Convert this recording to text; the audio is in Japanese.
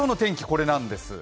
これなんです。